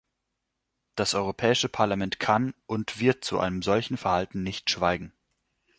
Das Europäische Parlament kann und wird zu einem solchen Verhalten nicht schweigen.